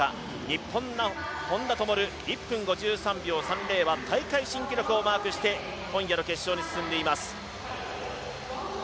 日本の本多灯、１分５３秒３０は大会新記録をマークして今夜の決勝に進んでいます。